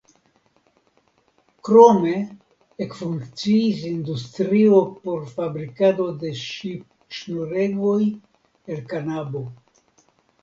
Krome ekfunkciis industrio por fabrikado de ŝipŝnuregoj el kanabo.